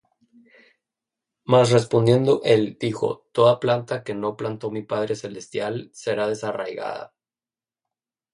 Mas respondiendo él, dijo: Toda planta que no plantó mi Padre celestial, será desarraigada.